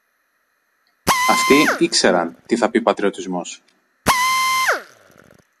Αυτοί ήξεραν τι θα πει πατριωτισμός.